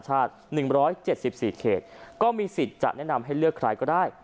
จะคะมีการแล้วมีเสร็จจะแนะนำให้เลือกใครก็ได้